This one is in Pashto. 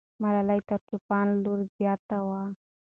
ملالۍ تر چوپان لور زیاته وه.